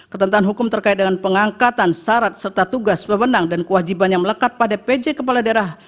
ketentuan hukum terkait dengan pengangkatan syarat serta tugas pemenang dan kewajiban yang melekat pada pj kepala daerah